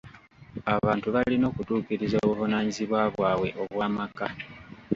Abantu balina okutuukiriza obuvunaanyizibwa bwabwe obw'amaka.